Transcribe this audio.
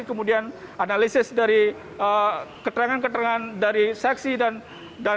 kemudian analisis dari keterangan keterangan dari saksi dan